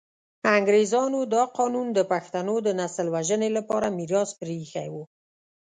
انګریزانو دا قانون د پښتنو د نسل وژنې لپاره میراث پرې ایښی وو.